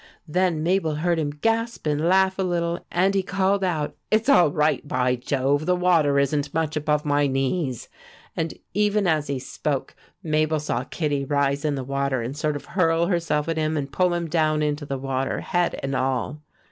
Then Mabel heard him gasp and laugh a little, and he called out: "It's all right, by Jove! The water isn't much above my knees." And even as he spoke Mabel saw Kittie rise in the water and sort of hurl herself at him and pull him down into the water, head and all.